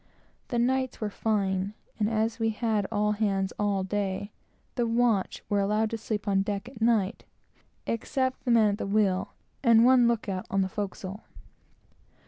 The nights were fine; and as we had all hands all day, the watch were allowed to sleep on deck at night, except the man at the wheel, and one look out on the forecastle.